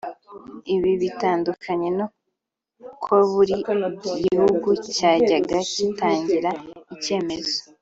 Ibi bitandukanye n’uko buri gihugu cyajyaga cyitangira icyemezo